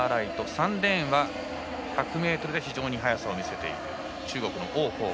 ３レーン、１００ｍで非常に速さを見せている中国の王浩。